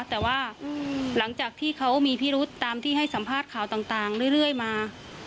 แต่ว่าหลังจากที่เขามีพิรุษตามที่ให้สัมภาษณ์ข่าวต่างเรื่อยมา